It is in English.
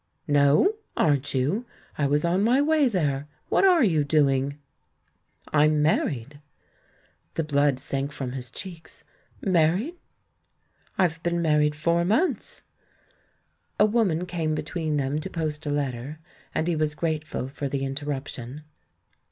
"No? Aren't you? I was on my way there. What are you doing?" 1 m married. The blood sank from his cheeks. "Married?" "I've been married four months." A woman came between them to post a letter, and he was grateful for the interruption.